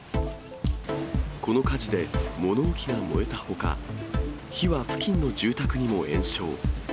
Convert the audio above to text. この火事で物置が燃えたほか、火は付近の住宅にも延焼。